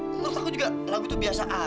menurut aku juga lagu itu biasa aja